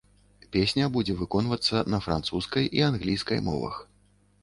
Песня будзе выконвацца на французскай і англійскай мовах.